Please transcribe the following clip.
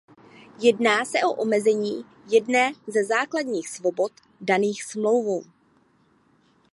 Jedná se o omezení jedné ze základních svobod daných Smlouvou.